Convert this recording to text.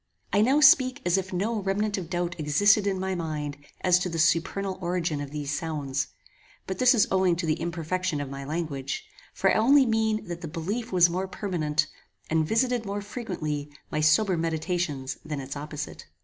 I now speak as if no remnant of doubt existed in my mind as to the supernal origin of these sounds; but this is owing to the imperfection of my language, for I only mean that the belief was more permanent, and visited more frequently my sober meditations than its opposite.